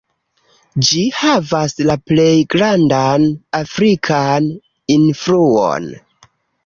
Ĝi havas la plej grandan afrikan influon.